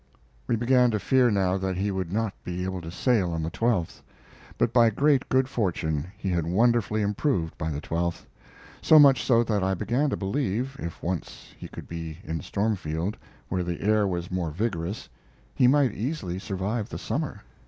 We began to fear now that he would not be able to sail on the 12th; but by great good fortune he had wonderfully improved by the 12th, so much so that I began to believe, if once he could be in Stormfield, where the air was more vigorous, he might easily survive the summer.